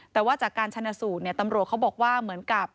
แต่ว่าจากการชนะสูตรตำรวจเขาบอกว่าเหมือนกับ